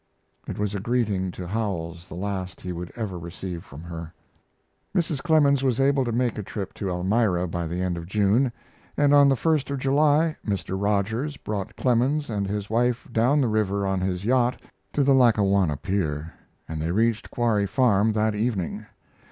It was a greeting to Howells the last he would ever receive from her. Mrs. Clemens was able to make a trip to Elmira by the end of June, and on the 1st of July Mr. Rogers brought Clemens and his wife down the river on his yacht to the Lackawanna pier, and they reached Quarry Farm that evening.